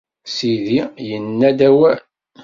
Sidi yenna-d awal.